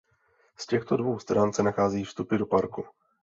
Z těchto dvou stran se nacházejí vstupy do parku.